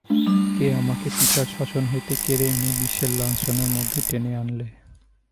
কে আমাকে পিতার শাসন হতে কেড়ে এনে বিশ্বের লাঞ্ছনার মধ্যে টেনে আনলে।